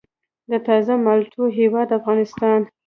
د تازه مالټو هیواد افغانستان.